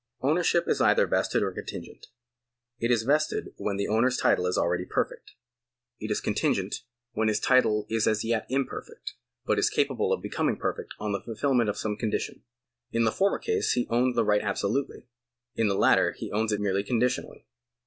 Ownership is either vested or contingent. It is vested when the owner's title is already perfect ; it is contingent when his ^ Vide supra, § 85. § 92] OWNERSHIP 233 title is as yet imperfect, but is capable of becoming perfect on the fulfilment of some condition. In the former case he owns the right absolutely ; in the latter he owns it merely condi tionally.